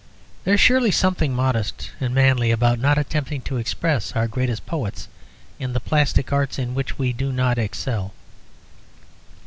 There is surely something modest and manly about not attempting to express our greatest poet in the plastic arts in which we do not excel.